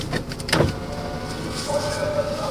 ناځوانه برید وسو ..